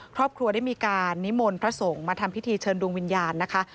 ครอบครัวได้มีการนิมนต์พระสงฆ์มาทำพิธีเชิญดวงวิญญาณนะคะ